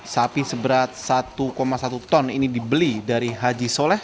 sapi seberat satu satu ton ini dibeli dari haji soleh